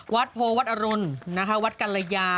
วัดโพวัดอรุณวัดกัลลยา